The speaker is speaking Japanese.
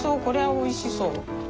これはおいしそう。